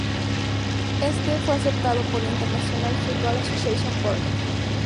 Éste fue aceptado por la Internacional Football Association Board.